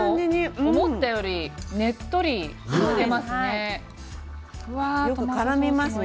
思ったよりねっとりしてますね。